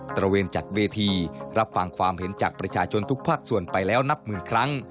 ระเวนจัดเวทีรับฟังความเห็นจากประชาชนทุกภาคส่วนไปแล้วนับหมื่นครั้ง